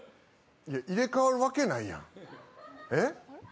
入れ替わるわけないやん、え？